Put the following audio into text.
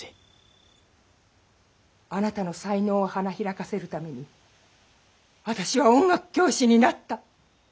あなたの才能を花開かせるために私は音楽教師になった。